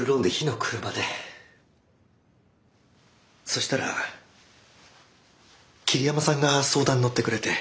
そしたら桐山さんが相談に乗ってくれて。